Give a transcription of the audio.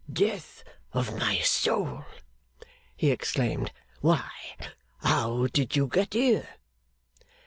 'Death of my soul!' he exclaimed. 'Why, how did you get here?